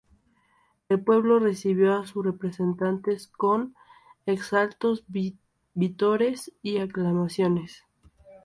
El pueblo recibió a sus representantes con exaltados vítores y aclamaciones.